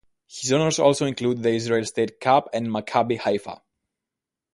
His honours also include the Israel State Cup with Maccabi Haifa.